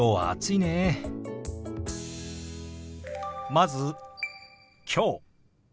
まず「きょう」。